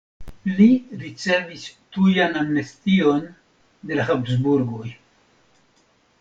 Li ricevis tujan amnestion de la Habsburgoj.